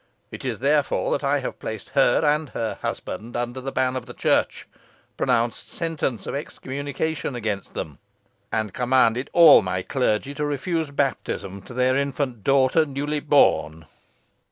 It is therefore that I have placed her and her husband under the ban of the Church; pronounced sentence of excommunication against them; and commanded all my clergy to refuse baptism to their infant daughter, newly born."